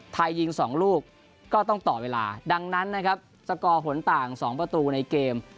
ยิง๒ลูกก็ต้องต่อเวลาดังนั้นนะครับสกอร์ผลต่าง๒ประตูในเกม